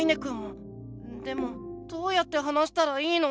でもどうやって話したらいいの？